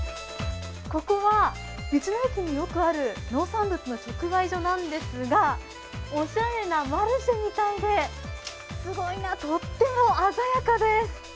ここは道の駅によくある農産物の特売所なんですが、おしゃれなマルシェみたいで、とっても鮮やかです。